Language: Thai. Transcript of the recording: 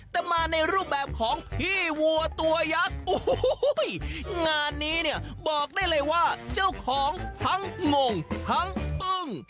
แต่มาในรูปแบบของพี่วัวตัวยักษ์โอ้โหงานนี้เนี่ยบอกได้เลยว่าเจ้าของทั้งงงทั้งอึ้ง